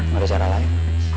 gak ada cara lain